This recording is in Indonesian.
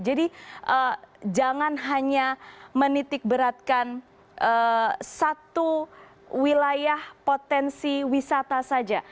jadi jangan hanya menitik beratkan satu wilayah potensi wisata saja